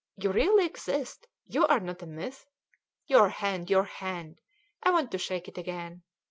You really exist? You are not a myth? Your hand, your hand! I want to shake it again.